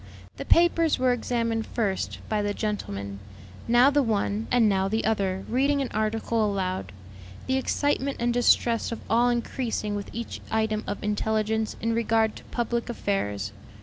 The papers were examined first, by the gentlemen, now the one and now the other reading an article aloud, the excitement and distress of all increasing with each item of intelligence in regard to public affairs.